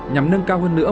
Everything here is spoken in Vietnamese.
nhằm nâng cao hơn nữa